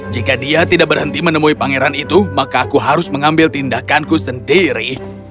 jika dia tidak berhenti menemui pangeran itu maka aku harus mengambil tindakanku sendiri